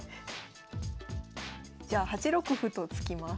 じゃあ８六歩と突きます。